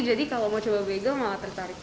jadi kalau mau coba bagel malah tertarik gitu